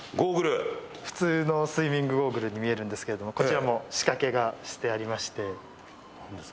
普通のスイミングゴーグルに見えるんですけれどもこちらも仕掛けがしてありまして。